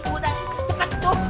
udah cepet tuh